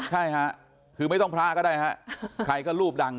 ใช่ค่ะคือไม่ต้องพระก็ได้ฮะใครก็รูปดัง